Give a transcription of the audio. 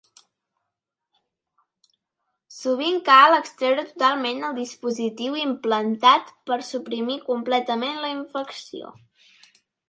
Sovint cal extreure totalment el dispositiu implantat per a suprimir completament la infecció.